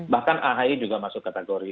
bahkan ahy juga masuk kategori